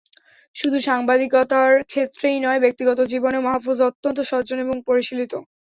শুধু সাংবাদিকতার ক্ষেত্রেই নয়, ব্যক্তিগত জীবনেও মাহ্ফুজ অত্যন্ত সজ্জন এবং পরিশীলিত।